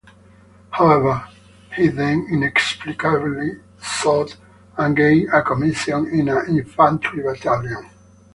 However, he then inexplicably sought and gained a commission in an infantry battalion.